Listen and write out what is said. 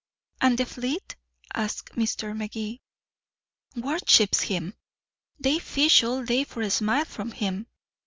"And the fleet?" asked Mr. Magee. "Worships him. They fish all day for a smile from him.